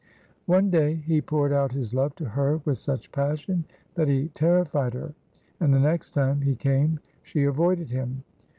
One day he poured out his love to her with such passion that he terrified her, and the next time he came she avoided him.